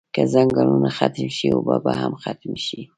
که ځنګلونه ختم شی اوبه به هم ختمی شی